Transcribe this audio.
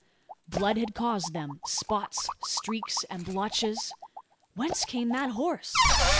Blood had caused them spots, streaks, and blotches! Whence came that horse?